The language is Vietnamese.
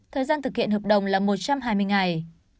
thời gian thực hiện hợp đồng là một trăm hai mươi ngày